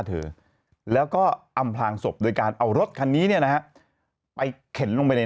เธอแล้วก็อำพลางศพโดยการเอารถคันนี้เนี่ยนะฮะไปเข็นลงไปใน